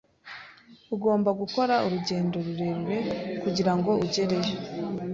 Ugomba gukora urugendo rurerure kugirango ugereyo.